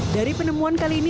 dari penemuan kali ini